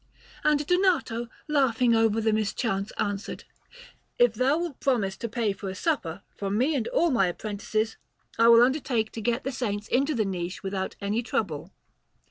And Donato, laughing over the mischance, answered: "If thou wilt promise to pay for a supper for me and all my apprentices, I will undertake to get the saints into the niche without any trouble."